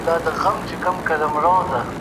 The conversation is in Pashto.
ما تېره شپه د هیواد د ازادۍ په اړه فکر وکړی.